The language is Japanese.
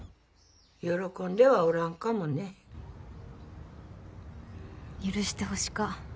喜んではおらんかもね許してほしか